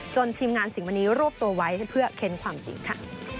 ทีมงานสิงหมณีรวบตัวไว้เพื่อเค้นความจริงค่ะ